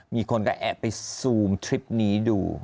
มีคนก็แอบไปซูมทริปนี้ดู